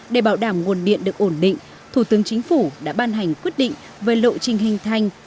để bảo đảm nguồn điện được ổn định thủ tướng chính phủ đã ban hành quyết định về lộ trình hình thành